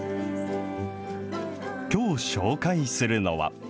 きょう紹介するのは。